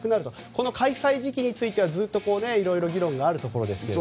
この開催時期についてはずっと議論があるところですが。